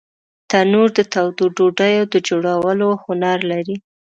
تنور د تودو ډوډیو د جوړولو هنر لري